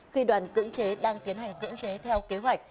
khi đoàn cưỡng chế đang tiến hành cưỡng chế theo kế hoạch